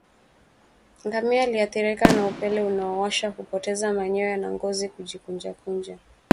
Ngamia aliyeathirika na upele unaowasha hupoteza manyoya na ngozi kujikunjakunja